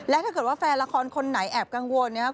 และถ้าเกิดว่าแฟนละครคนไหนแอบกังวลนะครับ